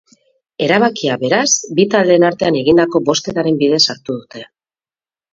Erabakia, beraz, bi taldeen artean egindako bozketaren bidez hartu dute.